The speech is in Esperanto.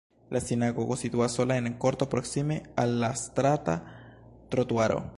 La sinagogo situas sola en korto proksime al la strata trotuaro.